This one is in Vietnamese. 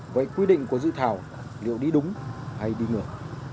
vậy quy định của dự thảo liệu đi đúng hay đi ngược